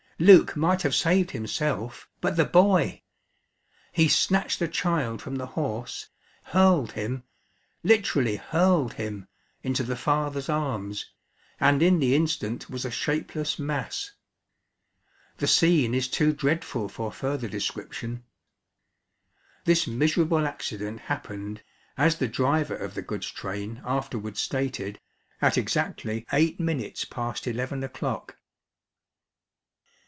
Luke might have saved himself, but the boy! He snatched the child from the horse, hurled him literally hurled him into the father's arms, and in the instant was a shapeless mass. The scene is too dreadful for further description. This miserable accident happened, as the driver of the goods train afterwards stated, at exactly eight minutes past eleven o'clock.